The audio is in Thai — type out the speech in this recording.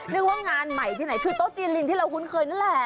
นึกว่างานใหม่ที่ไหนคือโต๊ะจีนลิงที่เราคุ้นเคยนั่นแหละ